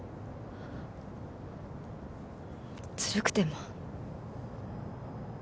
ずるくても。